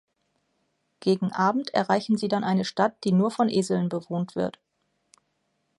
Gegen Abend erreichen sie dann eine Stadt die nur von Eseln bewohnt wird.